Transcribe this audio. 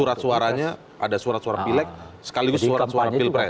surat suaranya ada surat suara pilek sekaligus surat suara pilpres